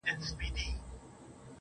هغه چي ماته يې په سرو وینو غزل ليکله.